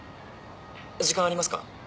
時間ありますか？